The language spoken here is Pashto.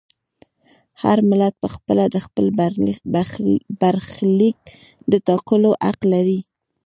هر ملت په خپله د خپل برخلیک د ټاکلو حق لري.